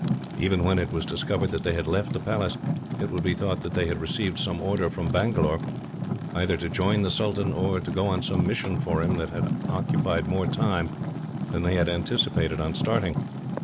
Even when it was discovered that they had left the Palace, it would be thought that they had received some order from Bangalore, either to join the sultan, or to go on some mission for him that had occupied more time than they had anticipated on starting.